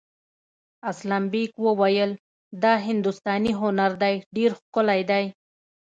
اسلم بېگ وویل دا هندوستاني هنر دی ډېر ښکلی دی.